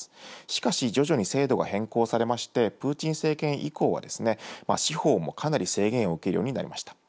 しかし、徐々に制度が変更されまして、プーチン政権以降は、司法もかなり制限を受けるようになりました。